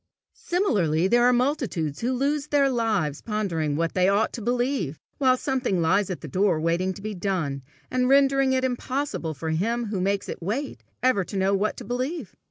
Similarly, there are multitudes who lose their lives pondering what they ought to believe, while something lies at their door waiting to be done, and rendering it impossible for him who makes it wait, ever to know what to believe.